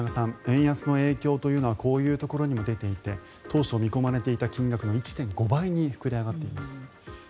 円安の影響というのはこういうところにも出ていて当初見込まれていた金額の１．５倍に膨れ上がっています。